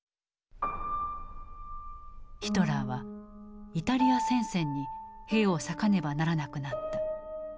ヒトラーはイタリア戦線に兵を割かねばならなくなった。